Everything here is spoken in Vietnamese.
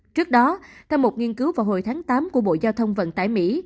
trước đó theo một nghiên cứu vào hồi tháng tám của bộ giao thông vận tải mỹ